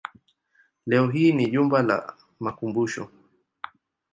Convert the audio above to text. Leo hii ni jumba la makumbusho.